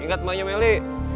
ingat mahanya meli